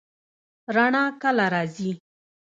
رڼا کله راځي؟